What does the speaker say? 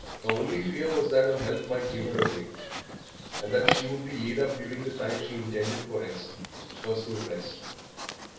Her only fear was that her health might give way, and that she would be laid up during the time she intended for rest personal rest.